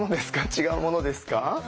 違うものですか？